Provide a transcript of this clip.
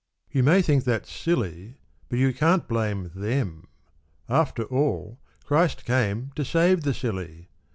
(You may think that silly But you can't blame them. After all, Christ came To save the silly.